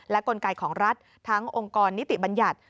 กลไกของรัฐทั้งองค์กรนิติบัญญัติ